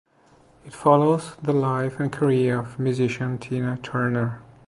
It follows the life and career of musician Tina Turner.